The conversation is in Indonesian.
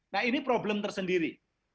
nah ini problem tersendiri